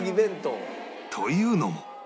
というのも